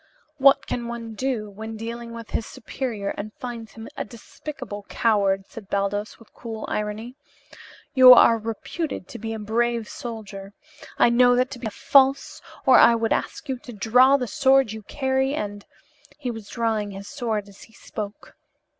"What can one do when dealing with his superior and finds him a despicable coward?" said Baldos, with cool irony. "You are reputed to be a brave soldier. I know that to be false or I would ask you to draw the sword you carry and " He was drawing his sword as he spoke.